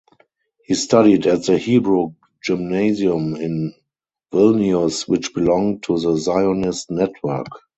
He studied at the Hebrew Gymnasium in Vilnius which belonged to the Zionist network.